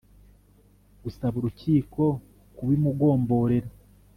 Gusaba urukiko kubimugomborera